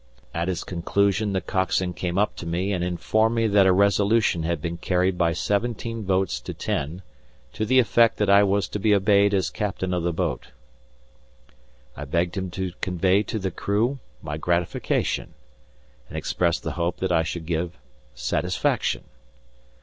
At its conclusion the coxswain came up to me and informed me that a resolution had been carried by seventeen votes to ten, to the effect that I was to be obeyed as Captain of the boat. I begged him to convey to the crew my gratification, and expressed the hope that I should give satisfaction.